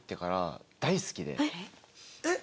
えっ？